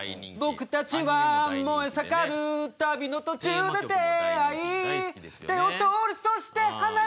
「僕たちは燃え盛る旅の途中で出会い」「手を取りそして離した」